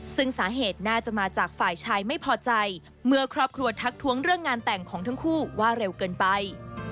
ซึ่งสาเหตุน่าจะมาจากฝ่ายชายไม่พอใจเมื่อครอบครัวทักท้วงเรื่องงานแต่งของทั้งคู่ว่าเร็วเกินไป